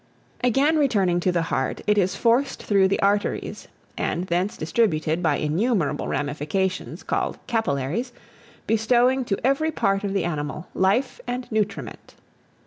Again returning to the heart, it is forced through the arteries, and thence distributed, by innumerable ramifications, called capillaries, bestowing to every part of the animal, life and nutriment.